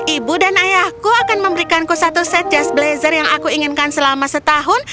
ibu dan ayahku akan memberikanku satu set jazz blazer yang aku inginkan selama setahun